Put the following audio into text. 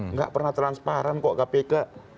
nggak pernah transparan kok kpk